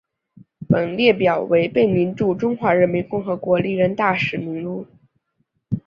本列表为贝宁驻中华人民共和国历任大使名录。